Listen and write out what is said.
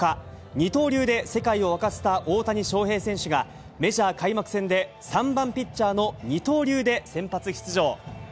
二刀流で世界を沸かせた大谷翔平選手が、メジャー開幕戦で３番ピッチャーの二刀流で先発出場。